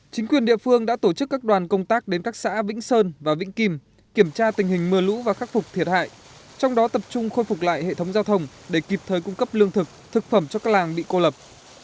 chính quyền địa phương đã tổ chức các đoàn công tác đến các xã vĩnh sơn và vĩnh kim kiểm tra tình hình mưa lũ và khắc phục thiệt hại trong đó tập trung khôi phục lại hệ thống giao thông để kịp thời cung cấp lương thực thực phẩm cho các làng bị cô lập